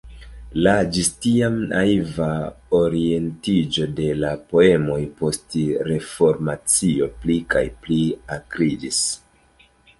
La ĝis tiam naiva orientiĝo de la poemoj post Reformacio pli kaj pli akriĝis.